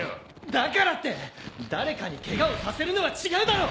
だからって誰かにケガをさせるのは違うだろう！